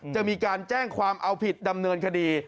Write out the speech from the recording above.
จะมีการแจ้งความเอาผิดดำเนินคดี